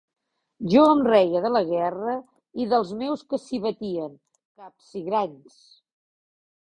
Jo em reia de la guerra i dels meus que s'hi batien, capsigranys!